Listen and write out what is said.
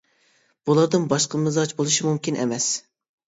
بۇلاردىن باشقا مىزاج بولۇشى مۇمكىن ئەمەس.